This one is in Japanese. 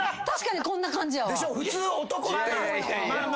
確かにこんな感じやわ。